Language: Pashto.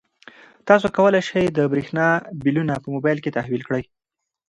تاسو کولای شئ د برښنا بلونه په موبایل کې تحویل کړئ.